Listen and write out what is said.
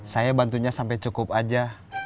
saya bantunya sampai cukup aja